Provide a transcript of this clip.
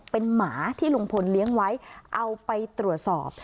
เป็นหมาที่ลุงพลเลี้ยงไว้เอาไปตรวจสอบ